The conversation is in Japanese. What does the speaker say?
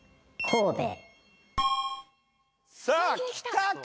さぁきたか？